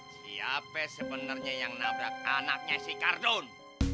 siapa sebenernya yang nabrak anaknya si kartun